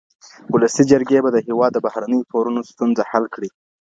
ولسي جرګي به د هېواد د بهرنيو پورونو ستونزه حل کړي وي.